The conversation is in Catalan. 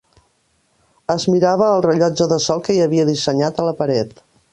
Es mirava el rellotge de sol que hi havia dissenyat a la paret